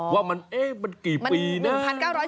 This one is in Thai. ว่ามันกี่ปีนึง